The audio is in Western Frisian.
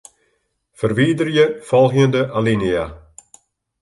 Ferwiderje folgjende alinea.